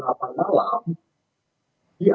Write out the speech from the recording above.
naik hangge untuk ke cicahe terminal cicahe